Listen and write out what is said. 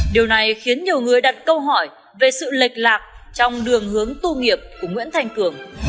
điều này khiến nhiều người đặt câu hỏi về sự lệch lạc trong đường hướng tu nghiệp của nguyễn thanh cường